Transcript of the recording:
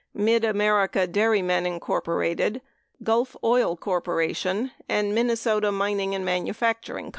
Mid America Dairymen, Inc., Gulf Oil Corp., and Minnesota Mining and Manufacturing Co.